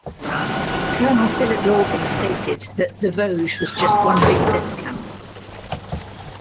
Colonel Philip Lauben stated that The Vosges was just one big death camp.